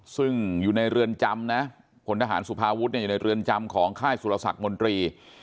ซึ่งอยู่ในเรือนจำนะพลทหารสุภาวุฒิอยู่ในเรือนจำของค่ายสุรสักมนตรี